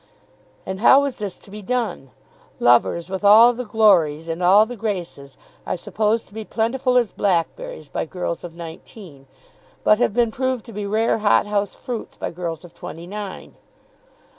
And how was this to be done? Lovers with all the glories and all the graces are supposed to be plentiful as blackberries by girls of nineteen, but have been proved to be rare hothouse fruits by girls of twenty nine.